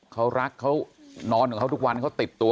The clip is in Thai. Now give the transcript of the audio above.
เขารักเขานอนของเขาทุกวันเขาติดตัว